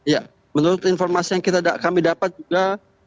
ya menurut informasi yang kami dapat juga